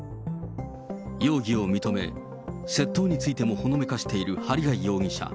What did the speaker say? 容疑を認め、窃盗についてもほのめかしている針谷容疑者。